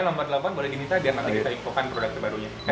nama email nomor delapan boleh diminta agar nanti kita info kan produk baru nya